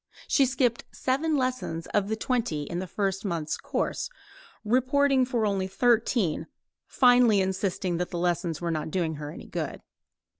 She skipped seven lessons of the twenty in the first month's course, reporting for only thirteen, finally insisting that the lessons were not doing her any good.